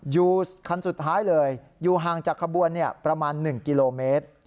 อยู่คันสุดท้ายเลยอยู่ห่างจากขบวนประมาณ๑กิโลเมตร